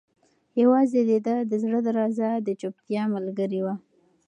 یوازې د ده د زړه درزا د چوپتیا ملګرې وه.